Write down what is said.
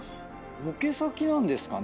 ロケ先なんですかね。